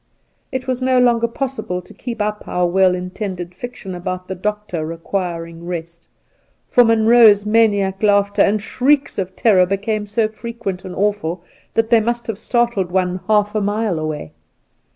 It was no longer possible to keep up our well intended fiction about the doctor requiring rest, for Munroe's maniac laughter and shrieks of terror became so frequent and awful that they must have startled one half a mile away.